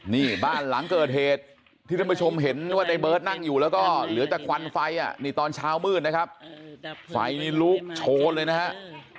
นี่บ้านหลังเกิดเหตุที่ท่านผู้ชมเห็นว่าในเบิร์ตนั่งอยู่แล้วก็เหลือแต่ควันไฟอ่ะนี่ตอนเช้ามืดนะครับไฟนี่ลุกโชนเลยนะฮะ